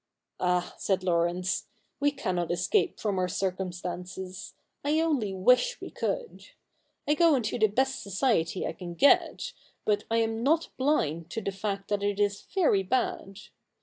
*Ah!' said Laurence, 'we cannot escape from our circumstances : I only wish we could. I go into the best society I can get, but I am not blind to the fact that it is very bad.